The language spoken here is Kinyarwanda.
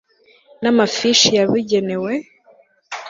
na mafishi ya bigenewe